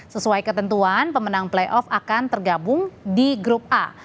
sesuai ketentuan pemenang playoff akan tergabung di grup a